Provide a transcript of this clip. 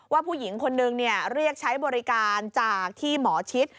ว่าผู้หญิงคนนึงเรียกใช้บริการจากที่หมอชิด